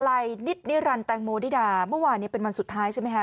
นิดนิรันดิแตงโมนิดาเมื่อวานนี้เป็นวันสุดท้ายใช่ไหมคะ